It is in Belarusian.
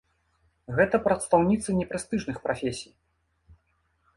Гэта прадстаўніцы непрэстыжных прафесій.